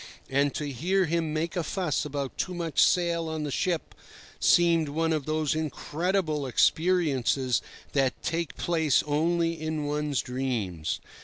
And to hear him make a fuss about too much sail on the ship seemed one of those incredible experiences that take place only in one's dreams.